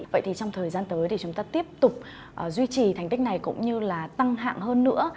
vậy thì trong thời gian tới thì chúng ta tiếp tục duy trì thành tích này cũng như là tăng hạng hơn nữa